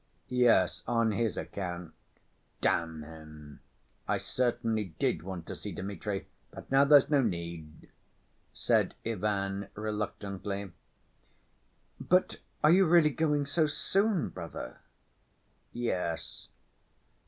"Yes, on his account. Damn him, I certainly did want to see Dmitri, but now there's no need," said Ivan reluctantly. "But are you really going so soon, brother?" "Yes."